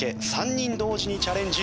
３人同時にチャレンジ。